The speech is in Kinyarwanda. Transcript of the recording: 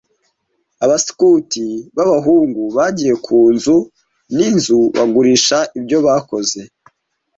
Abaskuti b'abahungu bagiye ku nzu n'inzu bagurisha ibyo bakoze.